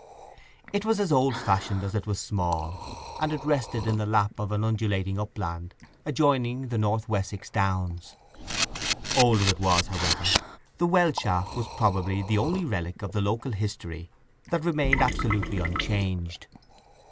It was as old fashioned as it was small, and it rested in the lap of an undulating upland adjoining the North Wessex downs. Old as it was, however, the well shaft was probably the only relic of the local history that remained absolutely unchanged.